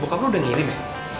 bokap lo udah ngirim ya